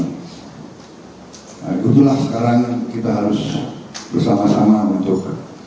nah itulah sekarang kita harus bersama sama untuk